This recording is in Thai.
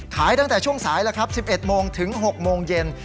ขายตั้งแต่ช่วงสายแล้วครับ๑๑โมงถึง๖โมงเย็น